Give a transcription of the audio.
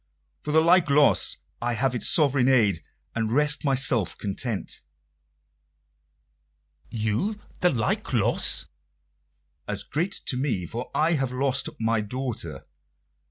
"For the like loss I have its sovereign aid, and rest myself content." "You the like loss?" "As great to me; for I have lost my daughter."